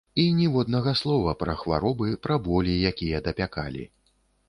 І ніводнага слова пра хваробы, пра болі, якія дапякалі.